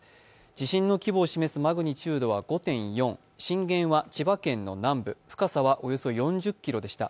地震の規模を示すマグニチュードは５．４震源は千葉県の南部、深さはおよそ４０ｋｍでした。